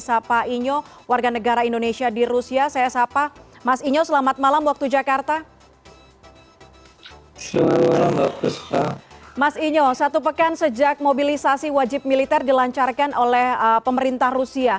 situasi situasi apakah saya bisa didengar